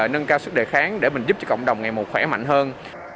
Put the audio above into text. sức đề kháng để mình giúp cho cộng đồng ngày mùa khỏe mạnh hơn